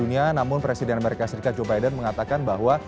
namun presiden amerika serikat joe biden mengatakan bahwa